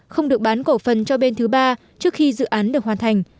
không được bán cổ phần cho bên thứ ba trước khi dự án được hoàn thành